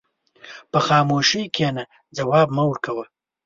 په خاموشۍ کښېنه، ځواب مه ورکوه.